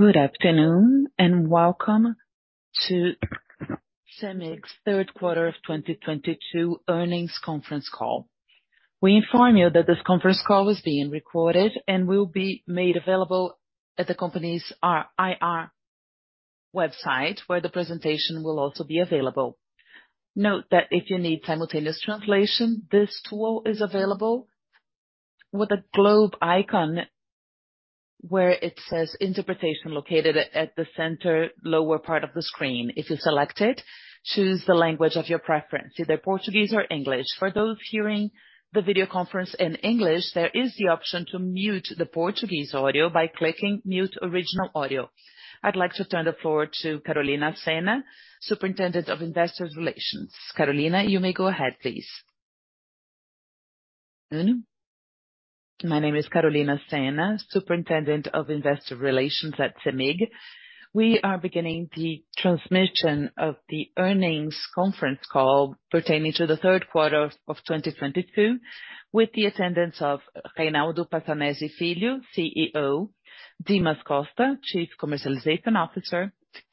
Good afternoon, and welcome to Cemig's third quarter of 2022 earnings conference call. We inform you that this conference call is being recorded and will be made available at the company's RI website, where the presentation will also be available. Note that if you need simultaneous translation, this tool is available with a globe icon where it says interpretation located at the center lower part of the screen. If you select it, choose the language of your preference, either Portuguese or English. For those hearing the video conference in English, there is the option to mute the Portuguese audio by clicking Mute Original Audio. I'd like to turn the floor to Carolina Senna, Superintendent of Investor Relations. Carolina, you may go ahead, please. My name is Carolina Senna, Superintendent of Investor Relations at Cemig. We are beginning the transmission of the earnings conference call pertaining to the third quarter of 2022, with the attendance of Reynaldo Passanezi Filho, CEO; Dimas Costa, Chief Commercialization Officer;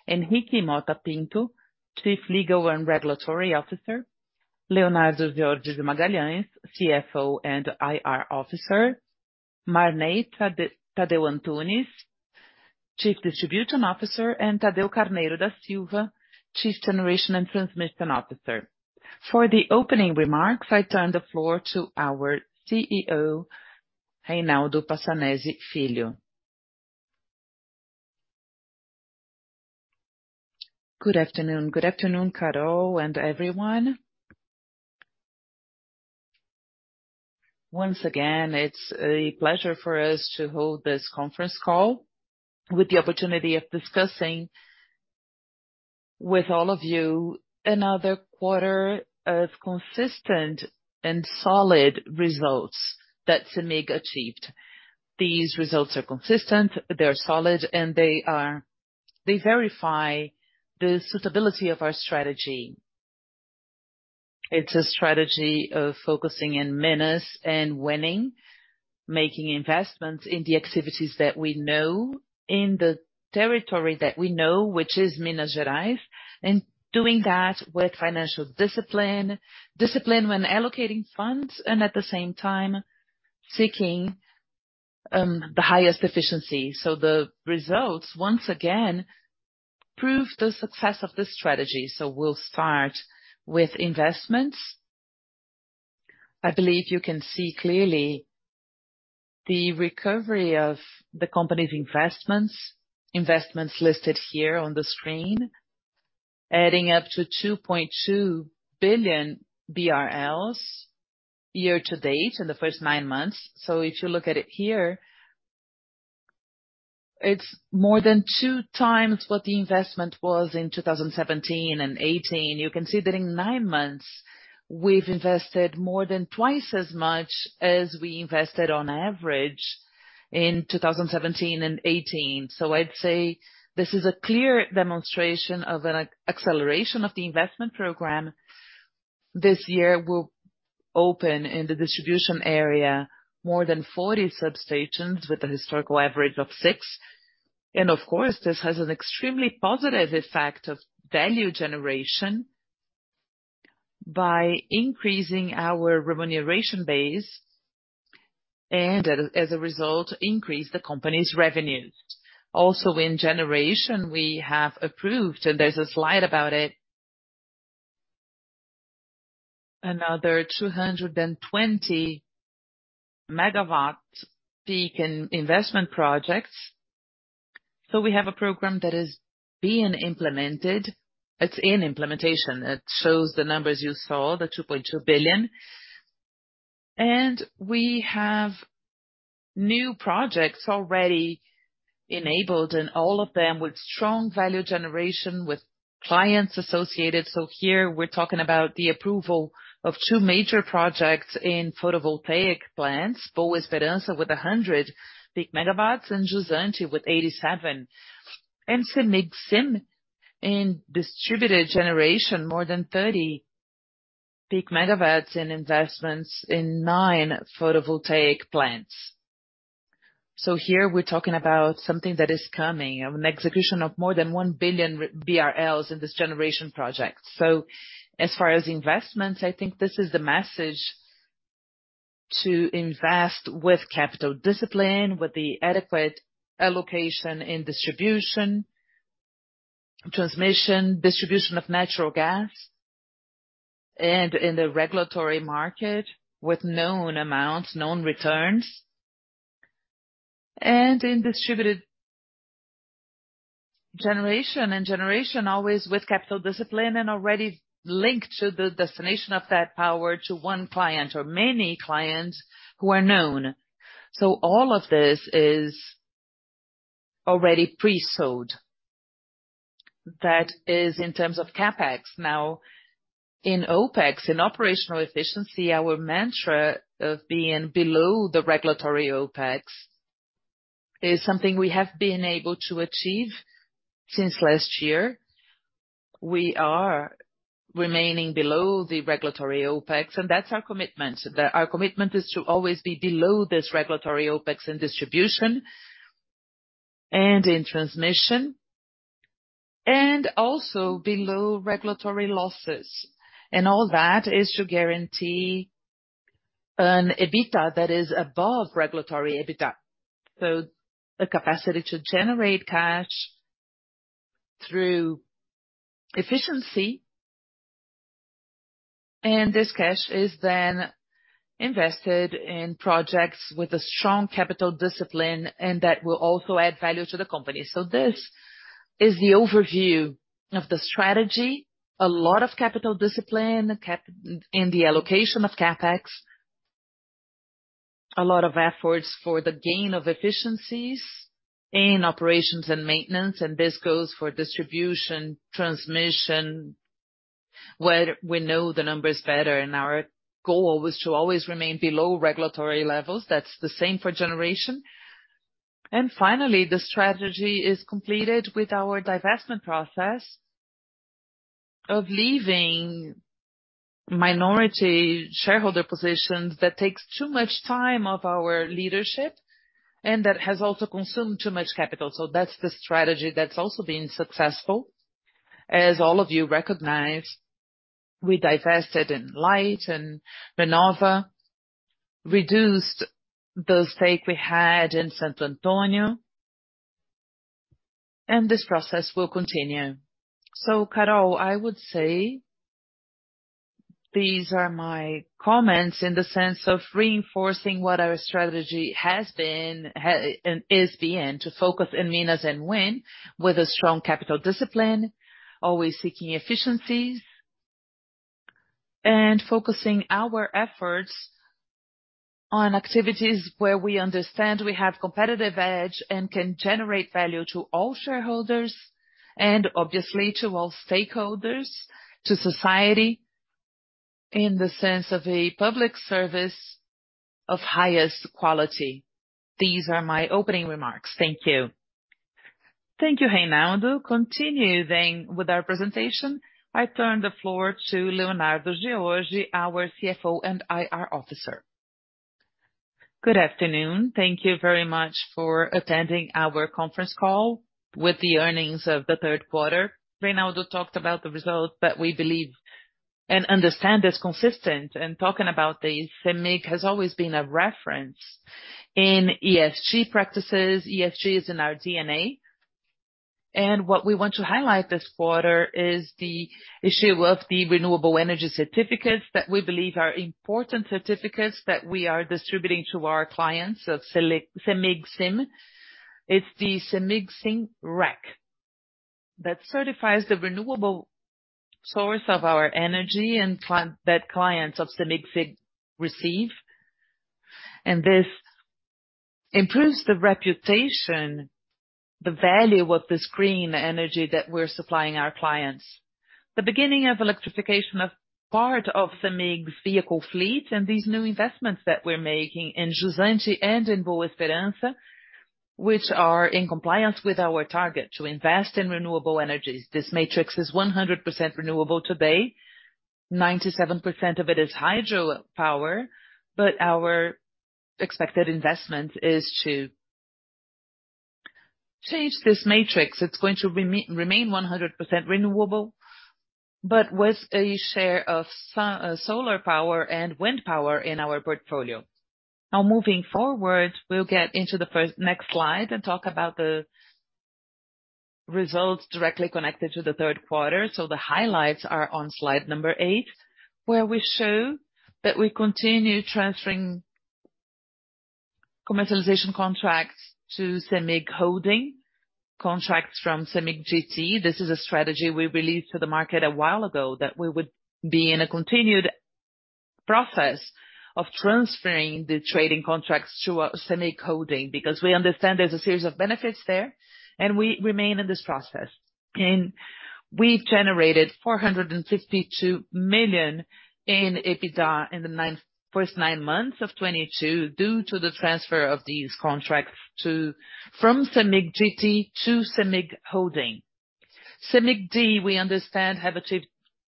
Henrique Motta Pinto, Chief Legal and Regulatory Officer; Leonardo George de Magalhães, CFO and IR Officer; Marney Tadeu Antunes, Chief Distribution Officer; and Thadeu Carneiro da Silva, Chief Generation and Transmission Officer. For the opening remarks, I turn the floor to our CEO, Reynaldo Passanezi Filho. Good afternoon. Good afternoon, Caro and everyone. Once again, it's a pleasure for us to hold this conference call with the opportunity of discussing with all of you another quarter of consistent and solid results that Cemig achieved. These results are consistent, they're solid, and they verify the suitability of our strategy. It's a strategy of focusing in Minas and winning, making investments in the activities that we know in the territory that we know, which is Minas Gerais, and doing that with financial discipline. Discipline when allocating funds, and at the same time seeking the highest efficiency. The results, once again, prove the success of this strategy. We'll start with investments. I believe you can see clearly the recovery of the company's investments. Investments listed here on the screen, adding up to 2.2 billion BRL year-to-date in the first 9 months. If you look at it here, it's more than 2 times what the investment was in 2017 and 2018. You can see that in 9 months, we've invested more than twice as much as we invested on average in 2017 and 2018. I'd say this is a clear demonstration of an acceleration of the investment program. This year, we'll open in the distribution area, more than 40 substations with a historical average of 6. Of course, this has an extremely positive effect of value generation by increasing our remuneration base, and as a result, increase the company's revenues. Also, in generation, we have approved, and there's a slide about it. Another 220 megawatt peak in investment projects. We have a program that is being implemented. It's in implementation. It shows the numbers you saw, the 2.2 billion. We have new projects already enabled, and all of them with strong value generation with clients associated. Here we're talking about the approval of two major projects in photovoltaic plants. Boa Esperança with 100 peak megawatts and Jusante with 87. Cemig SIM in distributed generation, more than 30 peak megawatts in investments in 9 photovoltaic plants. Here we're talking about something that is coming, an execution of more than 1 billion BRL in this generation project. As far as investments, I think this is the message to invest with capital discipline, with the adequate allocation in distribution, transmission, distribution of natural gas, and in the regulatory market with known amounts, known returns, and in distributed generation. Generation always with capital discipline and already linked to the destination of that power to one client or many clients who are known. All of this is already pre-sold. That is in terms of CapEx. Now, in OPEX, in operational efficiency, our mantra of being below the regulatory OPEX is something we have been able to achieve. Since last year, we are remaining below the regulatory OPEX, and that's our commitment. Our commitment is to always be below this regulatory OPEX in distribution and in transmission, and also below regulatory losses. All that is to guarantee an EBITDA that is above regulatory EBITDA. The capacity to generate cash through efficiency. This cash is then invested in projects with a strong capital discipline and that will also add value to the company. This is the overview of the strategy. A lot of capital discipline in the allocation of CapEx. A lot of efforts for the gain of efficiencies in operations and maintenance, and this goes for distribution, transmission, where we know the numbers better. Our goal was to always remain below regulatory levels. That's the same for generation. Finally, the strategy is completed with our divestment process of leaving minority shareholder positions that takes too much time of our leadership and that has also consumed too much capital. That's the strategy that's also been successful. As all of you recognize, we divested in Light and Renova, reduced the stake we had in Santo Antonio, and this process will continue. Carolina, I would say these are my comments in the sense of reinforcing what our strategy has been, and is being to focus in Minas and wind with a strong capital discipline, always seeking efficiencies and focusing our efforts on activities where we understand we have competitive edge and can generate value to all shareholders and obviously to all stakeholders, to society in the sense of a public service of highest quality. These are my opening remarks. Thank you. Thank you, Reynaldo. Continuing with our presentation, I turn the floor to Leonardo George, our CFO and IR officer. Good afternoon. Thank you very much for attending our conference call with the earnings of the third quarter. Reynaldo talked about the results that we believe and understand is consistent. In talking about this, Cemig has always been a reference in ESG practices. ESG is in our DNA. What we want to highlight this quarter is the issue of the renewable energy certificates that we believe are important certificates that we are distributing to our clients of Cemig. It's the Cemig REC that certifies the renewable source of our energy and that clients of Cemig receive. This improves the reputation, the value of this green energy that we're supplying our clients. The beginning of electrification of part of Cemig's vehicle fleet and these new investments that we're making in Jusante and in Boa Esperança, which are in compliance with our target to invest in renewable energies. This matrix is 100% renewable today. 97% of it is hydropower, but our expected investment is to change this matrix. It's going to remain 100% renewable, but with a share of solar power and wind power in our portfolio. Now moving forward, we'll get into the next slide and talk about the results directly connected to the third quarter. The highlights are on slide number 8, where we show that we continue transferring commercialization contracts to Cemig Holding, contracts from Cemig GT. This is a strategy we released to the market a while ago that we would be in a continued process of transferring the trading contracts to, Cemig Holding because we understand there's a series of benefits there, and we remain in this process. We've generated 462 million in EBITDA in the first 9 months of 2022 due to the transfer of these contracts from Cemig GT to Cemig Holding. Cemig D, we understand, have achieved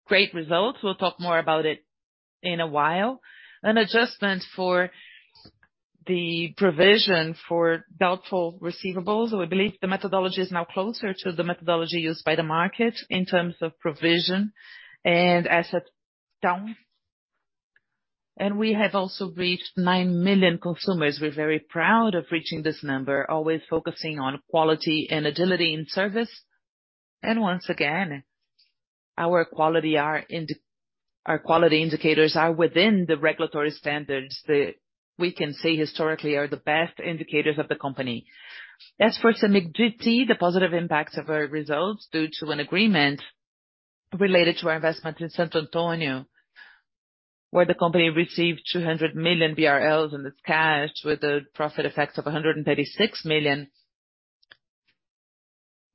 great results. We'll talk more about it in a while. An adjustment for the provision for doubtful receivables. We believe the methodology is now closer to the methodology used by the market in terms of provision and asset count. We have also reached 9 million consumers. We're very proud of reaching this number, always focusing on quality and agility in service. Once again, our quality indicators are within the regulatory standards that we can say historically are the best indicators of the company. As for Cemig GT, the positive impacts of our results due to an agreement related to our investment in Santo Antonio, where the company received 200 million BRL in cash with a profit effect of 136 million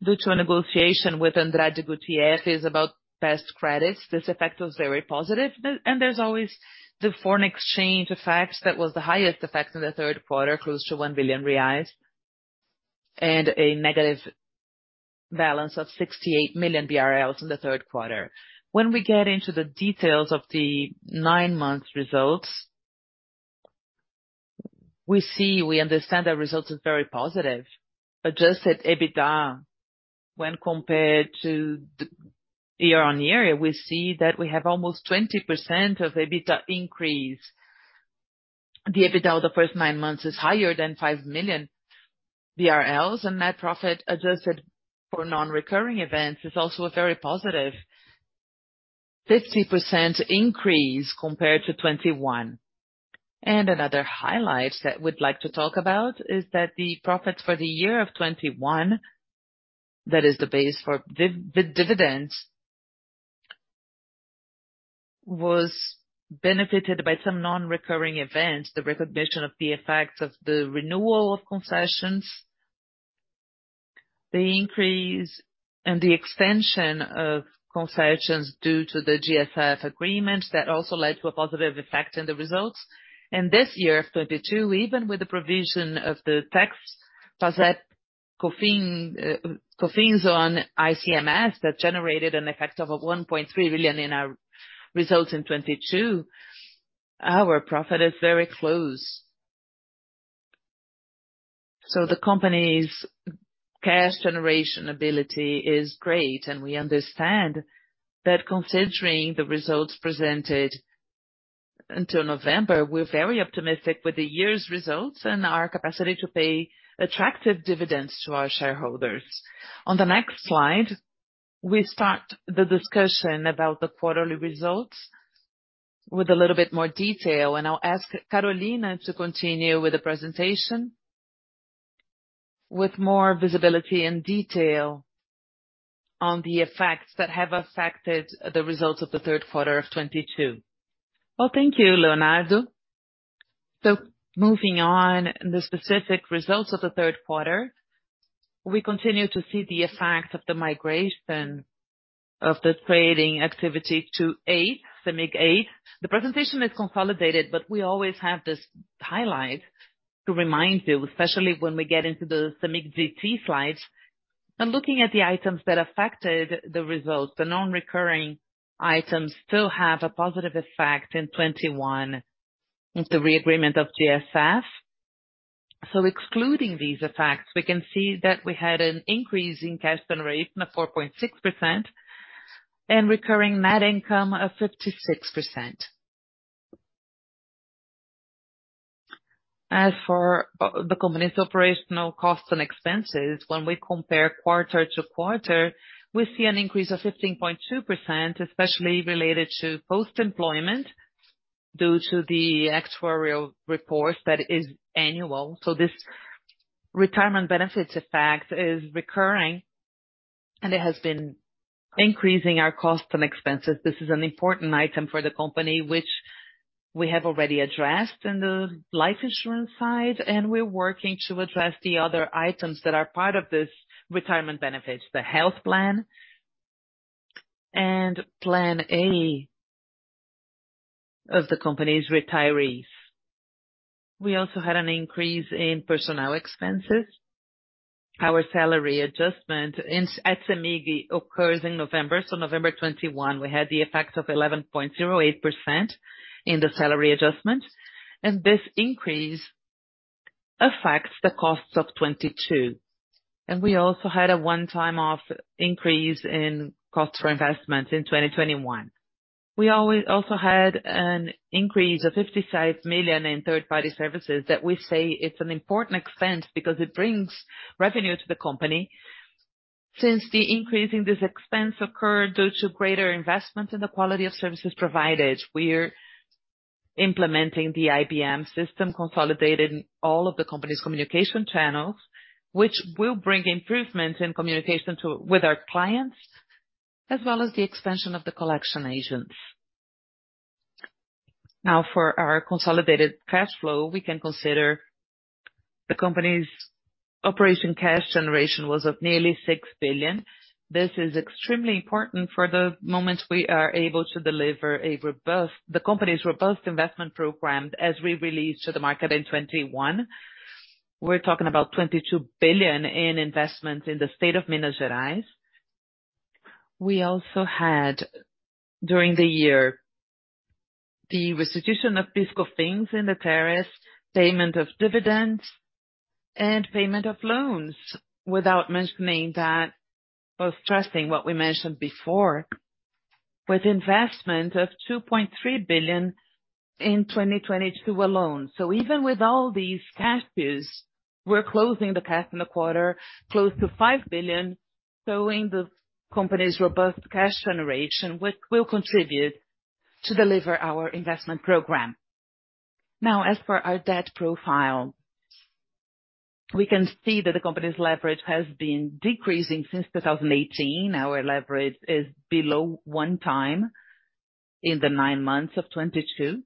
due to a negotiation with Andrade Gutierrez about past credits. This effect was very positive. There's always the foreign exchange effects. That was the highest effect in the third quarter, close to 1 billion reais. A negative balance of 68 million BRL in the third quarter. When we get into the details of the 9 months results, we see, we understand the result is very positive. Adjusted EBITDA when compared to the year-on-year, we see that we have almost 20% EBITDA increase. The EBITDA of the first 9 months is higher than 5 million BRL, and net profit adjusted for non-recurring events is also a very positive 50% increase compared to 2021. Another highlight that we'd like to talk about is that the profits for the year of 2021, that is the base for dividends, was benefited by some non-recurring events, the recognition of the effects of the renewal of concessions, the increase and the extension of concessions due to the GSF agreements that also led to a positive effect in the results. This year of 2022, even with the provision of the tax COFINS on ICMS, that generated an effect of 1.3 billion in our results in 2022, our profit is very close. The company's cash generation ability is great, and we understand that considering the results presented until November, we're very optimistic with the year's results and our capacity to pay attractive dividends to our shareholders. On the next slide, we start the discussion about the quarterly results with a little bit more detail, and I'll ask Carolina to continue with the presentation with more visibility and detail on the effects that have affected the results of the third quarter of 2022. Well, thank you, Leonardo. Moving on, the specific results of the third quarter. We continue to see the effect of the migration of the trading activity to Cemig GT, Cemig GT. The presentation is consolidated, but we always have this highlight to remind you, especially when we get into the Cemig GT slides. Looking at the items that affected the results, the non-recurring items still have a positive effect in 2021, with the re-agreement of GSF. Excluding these effects, we can see that we had an increase in cash generation of 4.6% and recurring net income of 56%. As for the company's operational costs and expenses, when we compare quarter to quarter, we see an increase of 15.2%, especially related to post-employment, due to the actuarial report that is annual. This retirement benefits effect is recurring, and it has been increasing our costs and expenses. This is an important item for the company, which we have already addressed in the life insurance side, and we're working to address the other items that are part of this retirement benefits: the health plan and Plan A of the company's retirees. We also had an increase in personnel expenses. Our salary adjustment at Cemig occurs in November. November 2021, we had the effect of 11.08% in the salary adjustment, and this increase affects the costs of 2022. We also had a one-time increase in cost for investment in 2021. We also had an increase of 55 million in third-party services that we see as an important expense because it brings revenue to the company. Since the increase in this expense occurred due to greater investment in the quality of services provided, we're implementing the IBM system, consolidating all of the company's communication channels, which will bring improvements in communication with our clients, as well as the expansion of the collection agents. Now, for our consolidated cash flow, we can consider the company's operating cash generation of nearly 6 billion. This is extremely important for the moment we are able to deliver the company's robust investment program, as we released to the market in 2021. We're talking about 22 billion in investments in the state of Minas Gerais. We also had, during the year, the restitution of PIS/COFINS in the tariffs, payment of dividends, and payment of loans. Without mentioning that or stressing what we mentioned before, with investment of 2.3 billion in 2022 alone. Even with all these cash use, we're closing the cash in the quarter close to 5 billion, showing the company's robust cash generation, which will contribute to deliver our investment program. Now, as for our debt profile, we can see that the company's leverage has been decreasing since 2018. Our leverage is below 1x in the nine months of 2022.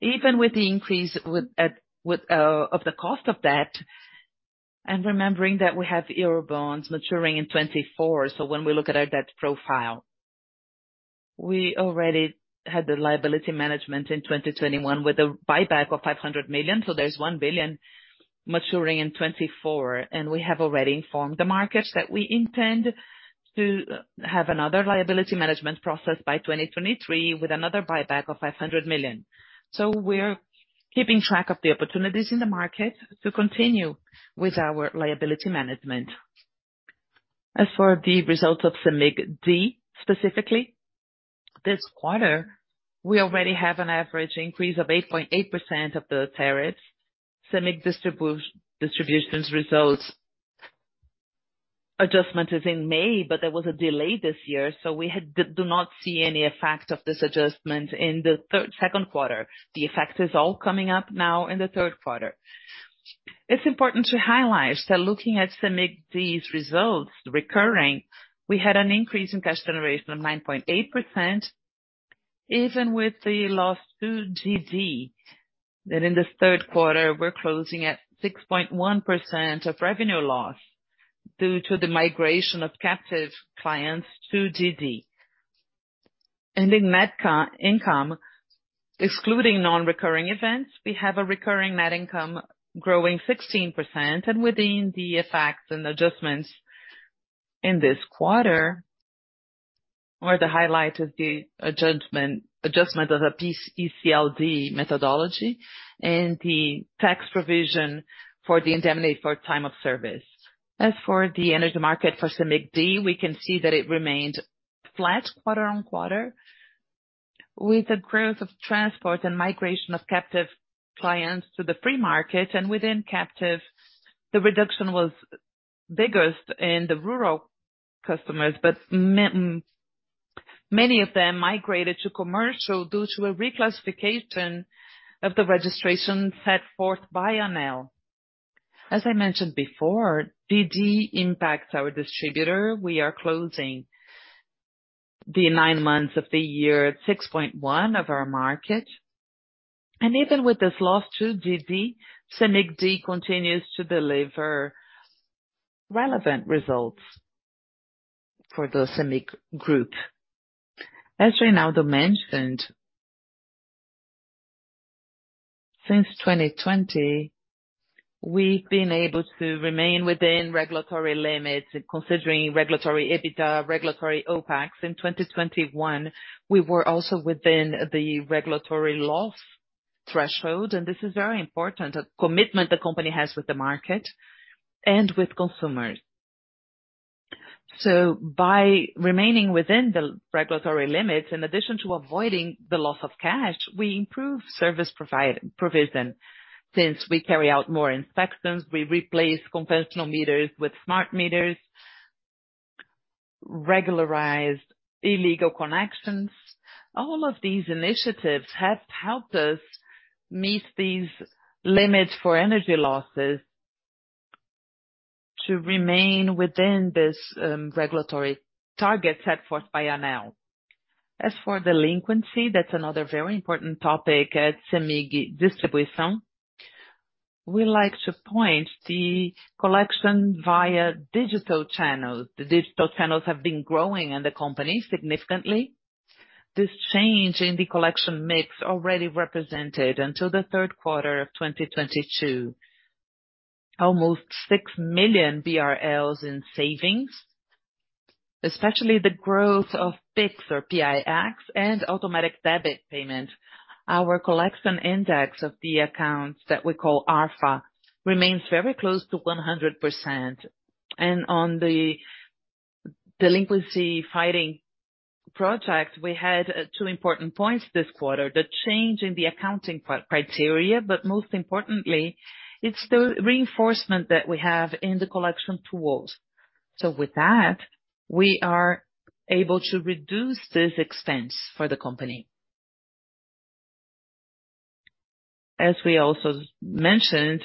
Even with the increase of the cost of debt, and remembering that we have Euro bonds maturing in 2024, when we look at our debt profile. We already had the liability management in 2021 with a buyback of 500 million. There's 1 billion maturing in 2024, and we have already informed the markets that we intend to have another liability management process by 2023 with another buyback of 500 million. We're keeping track of the opportunities in the market to continue with our liability management. As for the results of Cemig D specifically, this quarter, we already have an average increase of 8.8% of the tariffs. Cemig Distribution's results adjustment is in May, but there was a delay this year, so we do not see any effect of this adjustment in the second quarter. The effect is all coming up now in the third quarter. It's important to highlight that looking at Cemig D's results recurring, we had an increase in cash generation of 9.8%, even with the loss to DG, that in this third quarter, we're closing at 6.1% of revenue loss due to the migration of captive clients to DG. In net income, excluding non-recurring events, we have a recurring net income growing 16% and within the effects and adjustments in this quarter, or the highlight of the adjustment of the PCECLD methodology and the tax provision for the indemnity for time of service. As for the energy market for Cemig D, we can see that it remained flat quarter-over-quarter with the growth of transport and migration of captive clients to the free market. Within captive, the reduction was biggest in the rural customers, but many of them migrated to commercial due to a reclassification of the registration set forth by ANEEL. As I mentioned before, DG impacts our distributor. We are closing the nine months of the year at 6.1% of our market. Even with this loss to DG, Cemig D continues to deliver relevant results for the Cemig group. As Reynaldo mentioned, since 2020, we've been able to remain within regulatory limits considering regulatory EBITDA, regulatory OPEX. In 2021, we were also within the regulatory loss threshold, and this is very important, a commitment the company has with the market and with consumers. By remaining within the regulatory limits, in addition to avoiding the loss of cash, we improve service provision. Since we carry out more inspections, we replace conventional meters with smart meters, regularize illegal connections. All of these initiatives have helped us meet these limits for energy losses to remain within this regulatory target set forth by ANEEL. As for delinquency, that's another very important topic at Cemig Distribuição. We like to promote the collection via digital channels. The digital channels have been growing in the company significantly. This change in the collection mix already represented until the third quarter of 2022, almost 6 million BRL in savings, especially the growth of Pix and automatic debit payment. Our collection index of the accounts that we call ARFA remains very close to 100%. On the delinquency fighting project, we had two important points this quarter, the change in the accounting criteria, but most importantly, it's the reinforcement that we have in the collection tools. With that, we are able to reduce this expense for the company. As we also mentioned,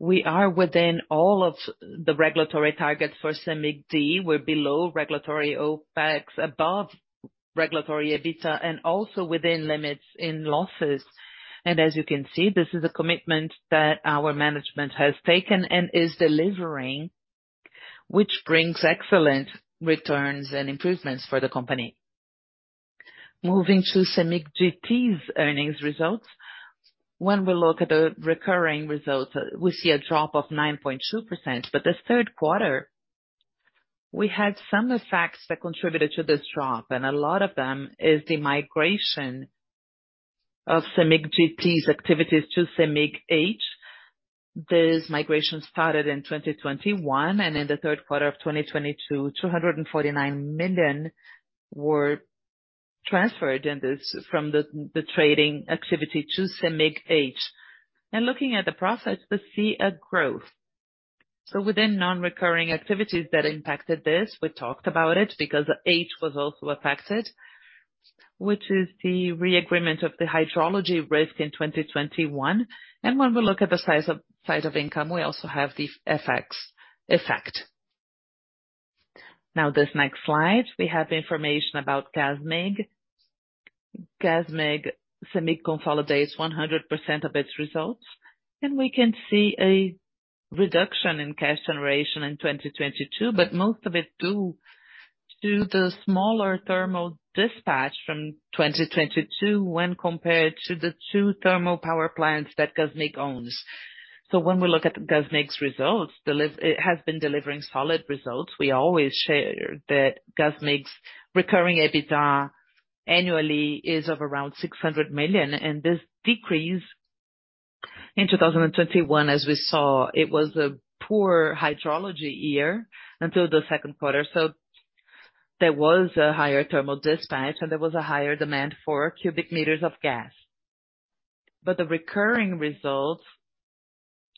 we are within all of the regulatory targets for Cemig D. We're below regulatory OPEX, above regulatory EBITDA, and also within limits in losses. As you can see, this is a commitment that our management has taken and is delivering, which brings excellent returns and improvements for the company. Moving to Cemig D's earnings results. When we look at the recurring results, we see a drop of 9.2%. This third quarter, we had some effects that contributed to this drop, and a lot of them is the migration of Cemig GT's activities to Cemig Holding. This migration started in 2021, and in the third quarter of 2022, 249 million were transferred in this from the trading activity to Cemig Holding. Looking at the process, we see a growth. Within non-recurring activities that impacted this, we talked about it because H was also affected, which is the re-agreement of the hydrology risk in 2021. When we look at the size of income, we also have the FX effect. Now, this next slide, we have information about Cemig, Gasmig. Cemig consolidates 100% of its results, and we can see a reduction in cash generation in 2022, but most of it due to the smaller thermal dispatch from 2022 when compared to the two thermal power plants that Gasmig owns. When we look at Gasmig's results, it has been delivering solid results. We always share that Gasmig's recurring EBITDA annually is of around 600 million. This decrease in 2021, as we saw, it was a poor hydrology year until the second quarter. There was a higher thermal dispatch, and there was a higher demand for cubic meters of gas. The recurring results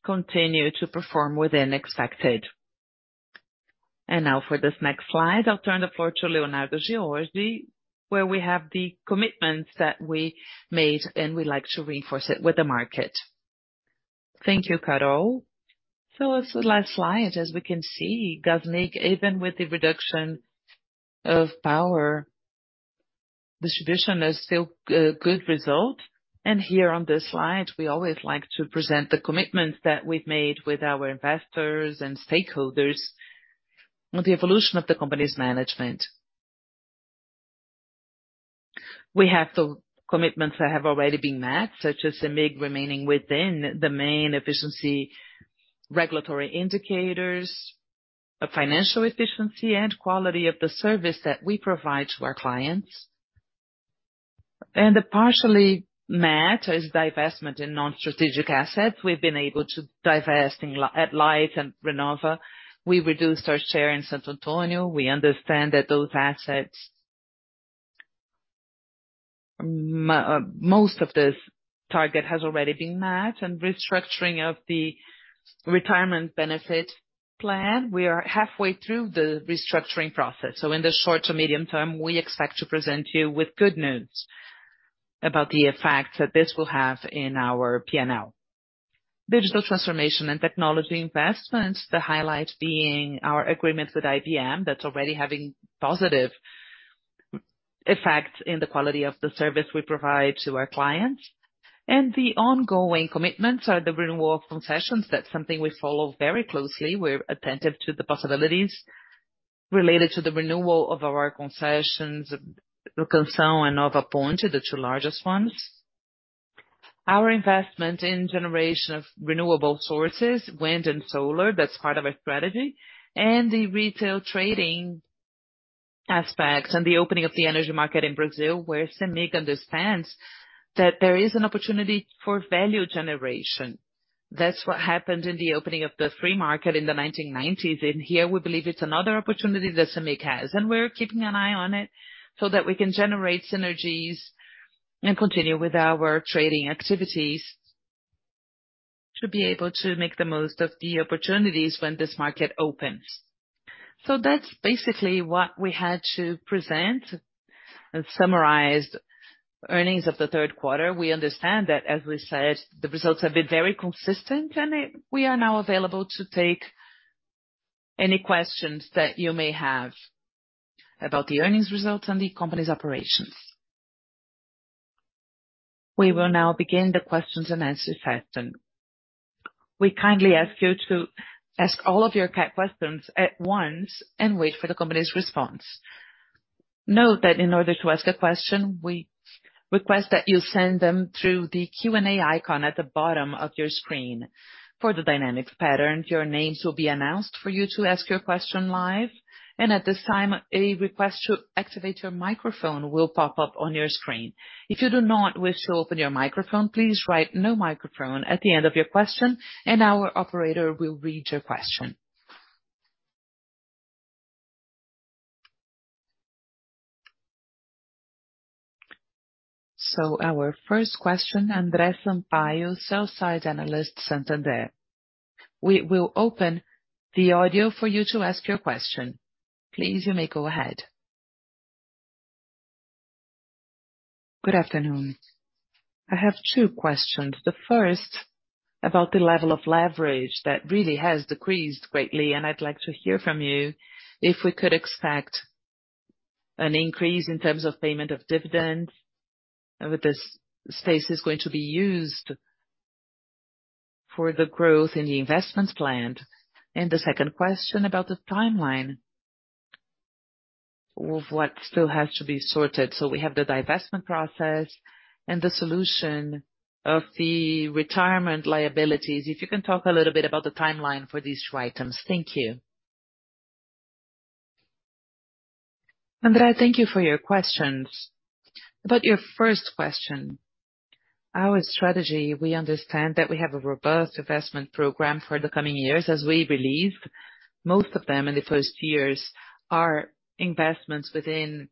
continue to perform within expected. Now for this next slide, I'll turn the floor to Leonardo George de Magalhães Moreira, where we have the commitments that we made, and we like to reinforce it with the market. Thank you, Carolina Senna. As the last slide, as we can see, Gasmig, even with the reduction of power distribution, is still a good result. Here on this slide, we always like to present the commitments that we've made with our investors and stakeholders on the evolution of the company's management. We have the commitments that have already been met, such as Cemig remaining within the main efficiency regulatory indicators of financial efficiency and quality of the service that we provide to our clients. The partially met is divestment in non-strategic assets. We've been able to divesting in Light and Renova. We reduced our share in Santo Antonio. We understand that those assets, most of this target has already been met. Restructuring of the retirement benefit plan, we are halfway through the restructuring process. In the short to medium term, we expect to present you with good news about the effect that this will have in our P&L. Digital transformation and technology investments, the highlight being our agreement with IBM that's already having positive effects in the quality of the service we provide to our clients. The ongoing commitments are the renewal of concessions. That's something we follow very closely. We're attentive to the possibilities related to the renewal of our concessions, São Simão and Nova Ponte, the two largest ones. Our investment in generation of renewable sources, wind and solar, that's part of our strategy. The retail trading aspect and the opening of the energy market in Brazil, where Cemig understands that there is an opportunity for value generation. That's what happened in the opening of the free market in the 1990s. Here we believe it's another opportunity that Cemig has, and we're keeping an eye on it so that we can generate synergies and continue with our trading activities to be able to make the most of the opportunities when this market opens. That's basically what we had to present and summarize earnings of the third quarter. We understand that, as we said, the results have been very consistent, and we are now available to take any questions that you may have about the earnings results and the company's operations. We will now begin the questions and answer session. We kindly ask you to ask all of your questions at once and wait for the company's response. Note that in order to ask a question, we request that you send them through the Q&A icon at the bottom of your screen. For the dynamics pattern, your names will be announced for you to ask your question live, and at this time, a request to activate your microphone will pop up on your screen. If you do not wish to open your microphone, please write "no microphone" at the end of your question, and our operator will read your question. Our first question, André Sampaio, sell-side analyst, Santander. We will open the audio for you to ask your question. Please, you may go ahead. Good afternoon. I have two questions. The first, about the level of leverage that really has decreased greatly, and I'd like to hear from you if we could expect an increase in terms of payment of dividends, and whether this space is going to be used for the growth in the investments planned. The second question about the timeline of what still has to be sorted. We have the divestment process and the solution of the retirement liabilities. If you can talk a little bit about the timeline for these two items. Thank you. André, thank you for your questions. About your first question, our strategy, we understand that we have a robust investment program for the coming years. As we released, most of them in the first years are investments within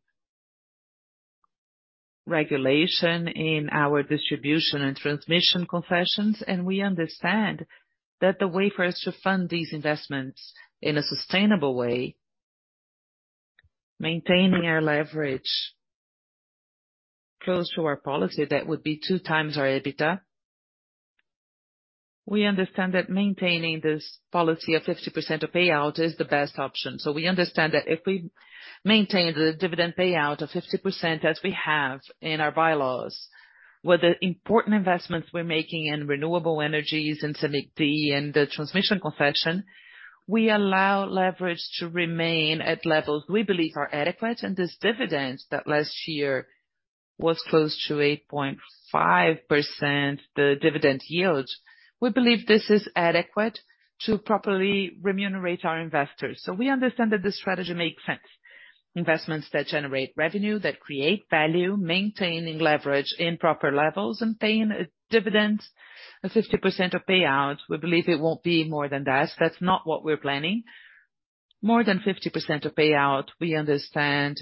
regulation in our distribution and transmission concessions, and we understand that the way for us to fund these investments in a sustainable way, maintaining our leverage close to our policy, that would be 2x our EBITDA. We understand that maintaining this policy of 50% of payout is the best option. We understand that if we maintain the dividend payout of 50% as we have in our bylaws, with the important investments we're making in renewable energies, in Cemig D and the transmission concession, we allow leverage to remain at levels we believe are adequate. This dividend that last year was close to 8.5%, the dividend yield, we believe this is adequate to properly remunerate our investors. We understand that the strategy makes sense. Investments that generate revenue, that create value, maintaining leverage in proper levels and paying a dividend of 50% of payout. We believe it won't be more than that. That's not what we're planning. More than 50% of payout, we understand.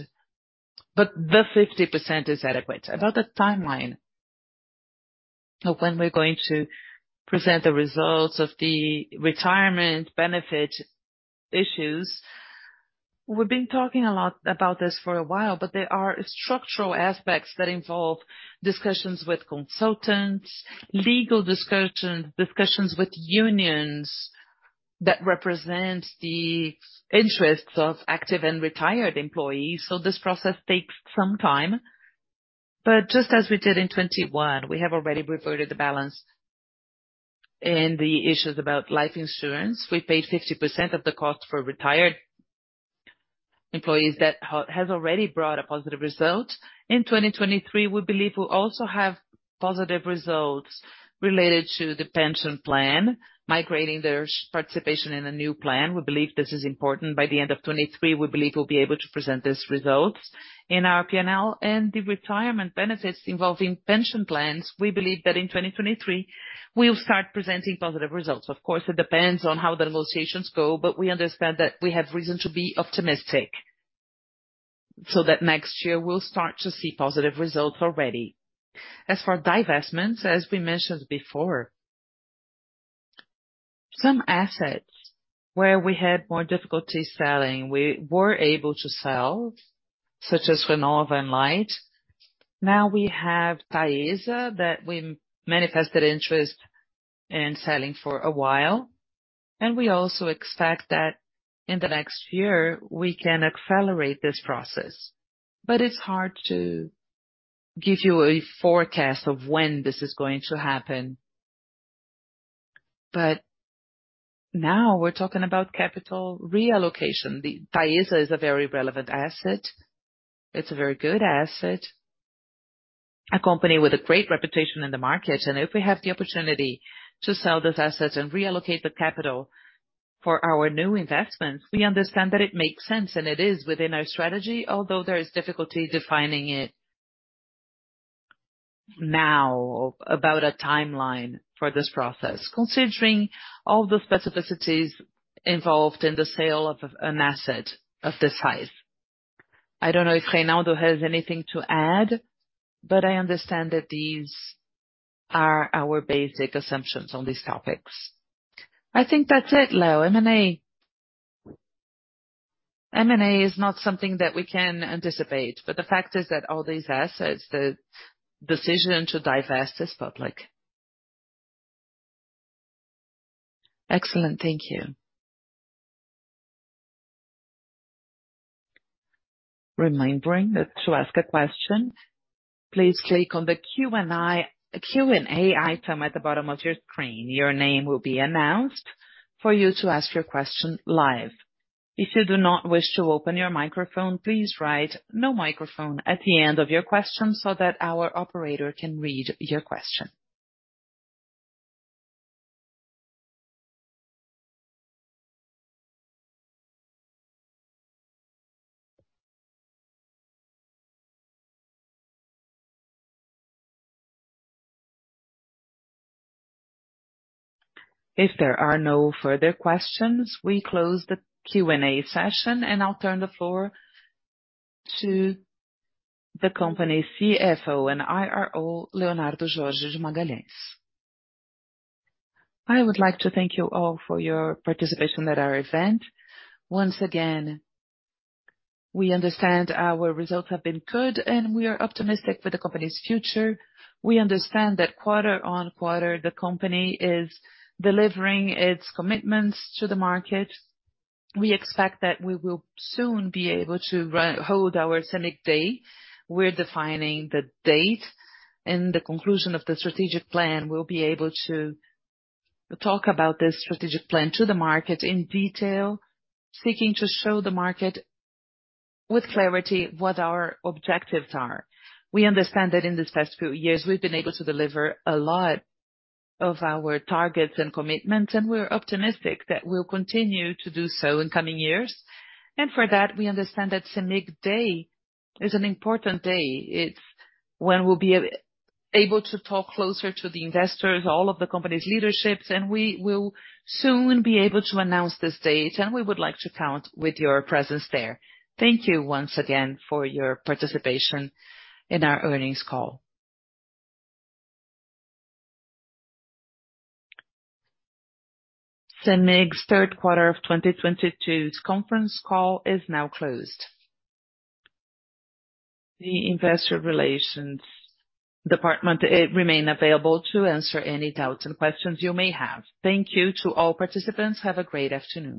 The 50% is adequate. About the timeline of when we're going to present the results of the retirement benefit issues, we've been talking a lot about this for a while, but there are structural aspects that involve discussions with consultants, legal discussions with unions that represent the interests of active and retired employees. This process takes some time. Just as we did in 2021, we have already reported the balance in the issues about life insurance. We paid 50% of the cost for retired employees that has already brought a positive result. In 2023, we believe we'll also have positive results related to the pension plan, migrating their participation in a new plan. We believe this is important. By the end of 2023, we believe we'll be able to present these results in our P&L and the retirement benefits involving pension plans. We believe that in 2023, we'll start presenting positive results. Of course, it depends on how the negotiations go, but we understand that we have reason to be optimistic, so that next year we'll start to see positive results already. As for divestments, as we mentioned before, some assets where we had more difficulty selling, we were able to sell, such as Renova and Light. Now we have Taesa that we manifested interest in selling for a while, and we also expect that in the next year, we can accelerate this process. It's hard to give you a forecast of when this is going to happen. Now we're talking about capital reallocation. The Taesa is a very relevant asset. It's a very good asset, a company with a great reputation in the market. If we have the opportunity to sell this asset and reallocate the capital for our new investments, we understand that it makes sense and it is within our strategy, although there is difficulty defining it now about a timeline for this process, considering all the specificities involved in the sale of an asset of this size. I don't know if Reynaldo has anything to add, but I understand that these are our basic assumptions on these topics. I think that's it, Leo. M&A. M&A is not something that we can anticipate, but the fact is that all these assets, the decision to divest is public. Excellent. Thank you. Reminding that to ask a question, please click on the Q&A item at the bottom of your screen. Your name will be announced for you to ask your question live. If you do not wish to open your microphone, please write "no microphone" at the end of your question so that our operator can read your question. If there are no further questions, we close the Q&A session, and I'll turn the floor to the company CFO and IRO, Leonardo George de Magalhães. I would like to thank you all for your participation at our event. Once again, we understand our results have been good, and we are optimistic for the company's future. We understand that quarter-on-quarter, the company is delivering its commitments to the market. We expect that we will soon be able to hold our CEMIG Day. We're defining the date and the conclusion of the strategic plan. We'll be able to talk about this strategic plan to the market in detail, seeking to show the market with clarity what our objectives are. We understand that in these past few years, we've been able to deliver a lot of our targets and commitments, and we're optimistic that we'll continue to do so in coming years. For that, we understand that CEMIG Day is an important day. It's when we'll be able to talk closer to the investors, all of the company's leaderships, and we will soon be able to announce this date, and we would like to count with your presence there. Thank you once again for your participation in our earnings call. CEMIG's third quarter of 2022's conference call is now closed. The investor relations department remain available to answer any doubts and questions you may have. Thank you to all participants. Have a great afternoon.